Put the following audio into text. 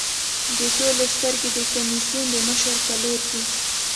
د ټولو سترګې د کمېسیون د مشر په لور دي.